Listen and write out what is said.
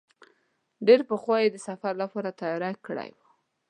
ډېر پخوا یې د سفر لپاره تیاری کړی و.